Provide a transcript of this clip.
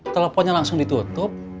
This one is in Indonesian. telfonnya langsung ditutup